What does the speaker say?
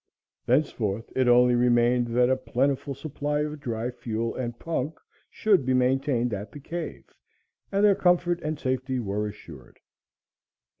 Thenceforth it only remained that a plentiful supply of dry fuel and punk should be maintained at the cave, and their comfort and safety were assured.